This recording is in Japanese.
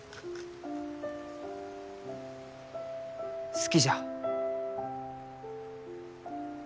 好きじゃ。